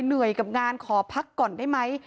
เหนื่อยกับงานขอพักก่อนได้ไหม